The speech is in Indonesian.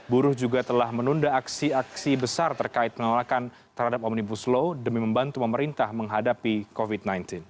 buruh juga telah menunda aksi aksi besar terkait penolakan terhadap omnibus law demi membantu pemerintah menghadapi covid sembilan belas